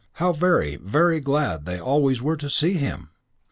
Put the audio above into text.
How very, very glad they always were to see him!